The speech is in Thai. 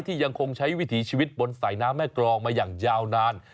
ยังคงใช้วิถีชีวิตบนสายน้ำแม่กรองมาอย่างยาวนาน